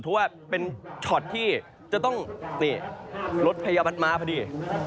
เพราะว่าเป็นช็อตที่จะต้องนี่รถพยาบาลมาพอดี